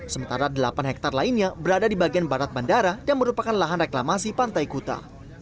sementara delapan hektare lainnya berada di bagian barat bandara dan merupakan lahan reklamasi pantai kuta